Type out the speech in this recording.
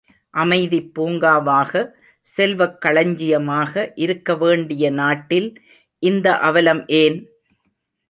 அமைதிப் பூங்காவாக, செல்வக் களஞ்சியமாக இருக்க வேண்டிய நாட்டில் இந்த அவலம் ஏன்?